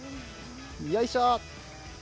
よいしょ。